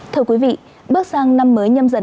thưa quý vị bước sang năm mới nhâm dần hai nghìn hai mươi hai